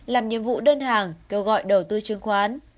làm nhiệm vụ đơn hàng kêu gọi đầu tư chứng khoán